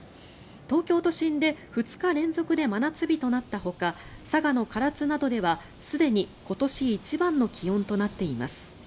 東京都心で２日連続で真夏日となったほか佐賀の唐津などではすでに今年一番の気温となっています。